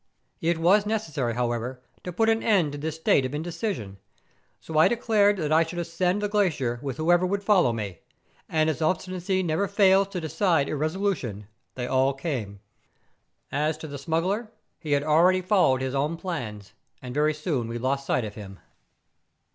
It was necessary, however, to put an end to this state of indecision ; so I declared that I should ascend the glacier with whoever would follow me; and as obsti¬ nacy never fails to decide irresolution they all came. As to the smuggler, he had already followed his own plans; and very soon we lost sight of him.